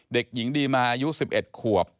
เด็กหญิงดีมาอายุ๑๑ขวบ